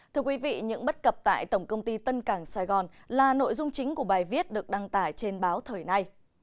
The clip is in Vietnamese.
thưa quý vị những bất cập tại tổng công ty tân cảng sài gòn là nội dung chính của bài viết được đăng tải trên báo thời nay